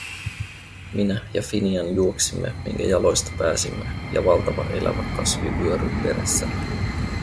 Minä ja Finian juoksimme, minkä jaloista pääsimme ja valtava elävä kasvi vyöryi perässämme.